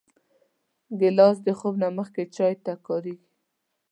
ګیلاس د خوب نه مخکې چای ته کارېږي.